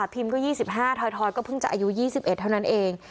พิมก็๒๕ถอยก็เพิ่งจะอายุ๒๑เท่านั้นเอง